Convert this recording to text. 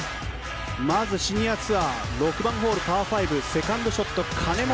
まずシニアツアー６番ホール、パー５セカンドショット、兼本。